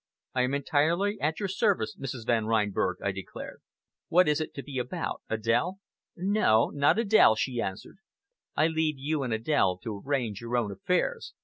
"I am entirely at your service, Mrs. Van Reinberg," I declared. "What is it to be about Adèle?" "No! not Adèle," she answered. "I leave you and Adèle to arrange your own affairs.